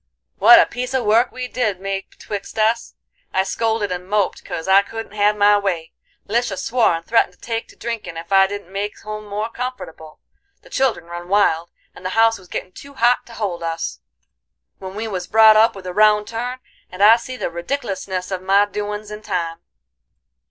what a piece a work we did make betwixt us! I scolded and moped 'cause I couldn't have my way; Lisha swore and threatened to take to drinkin' ef I didn't make home more comfortable; the children run wild, and the house was gittin' too hot to hold us, when we was brought up with a round turn, and I see the redicklousness of my doin's in time.